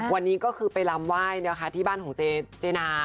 วันนี้ก็คือไปลำไหว้นะคะที่บ้านของเจนา